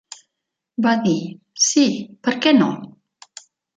Va dir, "Sí, per què no?".